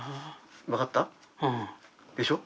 分かった？